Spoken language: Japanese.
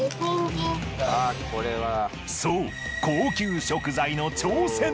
そう。